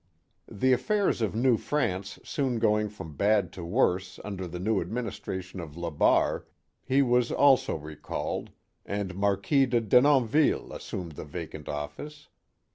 The affairs of New France soon going from bad to worse under the new administration of LaBarre, he was also recalled, and Marquis de Denonville assumed the vacant office.